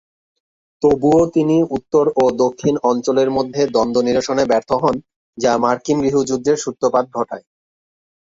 তবুও তিনি উত্তর ও দক্ষিণ অঞ্চলের মধ্যে দ্বন্দ্ব নিরসনে ব্যর্থ হন, যা মার্কিন গৃহযুদ্ধের সূত্রপাত ঘটায়।